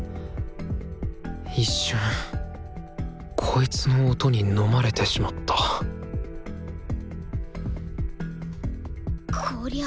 一瞬こいつの音に飲まれてしまったこりゃあ